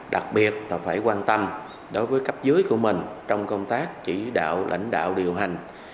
đặc biệt là phải quan tâm đối với cấp dưới của mình trong công tác chỉ đạo lãnh đạo điều hành